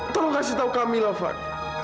tolong kasih tau kami lah van